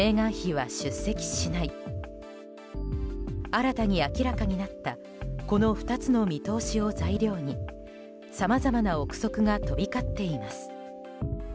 新たに明らかになったこの２つの見通しを材料にさまざまな憶測が飛び交っています。